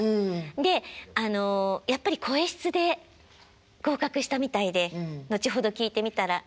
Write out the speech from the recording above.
であのやっぱり声質で合格したみたいで後ほど聞いてみたら。